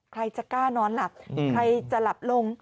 ใครจะกล้านอนหลับใครจะหลับลง